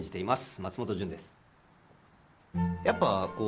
松本潤です。